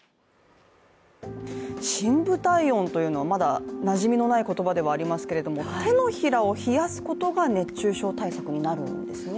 深部体温というのはまだなじみのない言葉ではありますけれども手のひらを冷やすことが熱中症対策になるんですね。